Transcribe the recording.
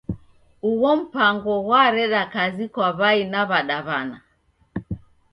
Ugho mpango ghwareda kazi kwa w'ai na w'adaw'ana.